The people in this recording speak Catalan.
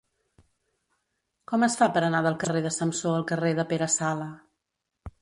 Com es fa per anar del carrer de Samsó al carrer de Pere Sala?